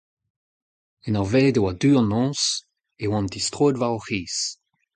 en ur welet e oa du an noz e oant distroet war o c'hiz.